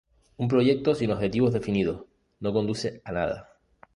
Un proyecto sin objetivos definidos, no conduce a nada.